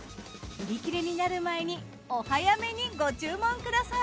売り切れになる前にお早めにご注文ください。